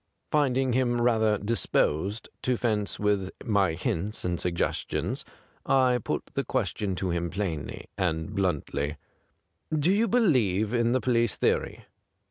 Finding him rather disposed to fence with my hints and suggestions, I put the question to him plainly and bluntly :' Do you believe in the police theory